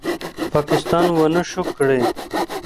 پاکستان ونشو کړې